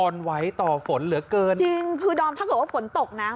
อ่อนไหวต่อฝนเหลือเกินจริงคือดอมถ้าเกิดว่าฝนตกนะ